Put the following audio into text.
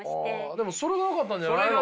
でもそれがよかったんじゃないの？